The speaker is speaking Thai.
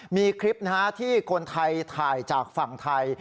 มีคลิปที่คนไทยถ่ายจากฝั่งไทย